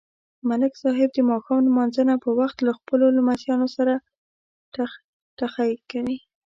ملک صاحب د ماښام نمانځه په وخت له خپلو لمسیانو سره ټخټخی کوي.